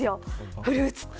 フルーツって。